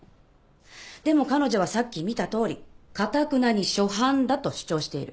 でも彼女はさっき見たとおりかたくなに初犯だと主張している。